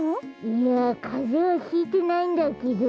いやかぜはひいてないんだけど。